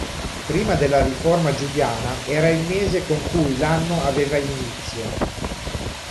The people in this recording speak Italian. Prima della riforma giuliana, era il mese con cui l'anno aveva inizio.